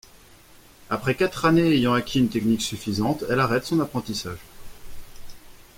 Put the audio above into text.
Après quatre années, ayant acquis une technique suffisante, elle arrête son apprentissage.